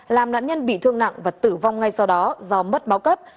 làm nạn nhân bị thương nặng và tử vong ngay sau đó do mất máu cấp